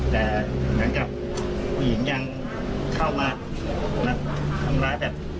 แต่หลังจากผู้หญิงยังเข้ามาและทำร้ายแบบ